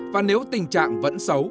và nếu tình trạng vẫn xấu